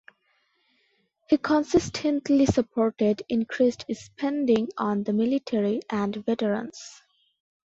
He consistently supported increased spending on the military and veterans.